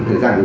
thế là mũi